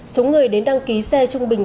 số người đến đăng ký xe trung bình